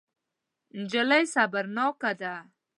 نجلۍ صبرناکه ده.